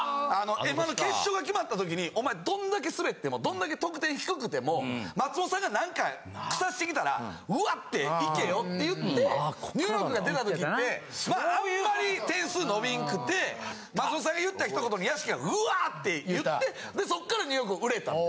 『Ｍ−１』の決勝が決まった時にお前どんだけスベってもどんだけ得点低くても松本さんが何かくさしてきたらうわっていけよって言ってニューヨークが出た時ってまああんまり点数伸びんくて松本さんが言った一言に屋敷がうわって言ってでそっからニューヨークが売れた。